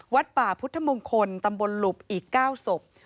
วัดป่าพุทธมงคลตำบลหลุบอีก๙ศพ